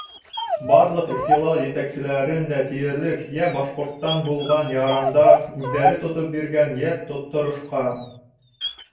Барлыҡ ихтилал етәкселәрен дә тиерлек йә башҡорттан булған ярандар үҙҙәре тотоп биргән, йә тотторошҡан.